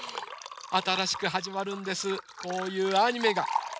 あたらしくはじまるんですこういうアニメが。